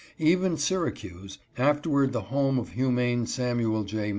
Even Syracuse, afterward the home of the humane Samuel J.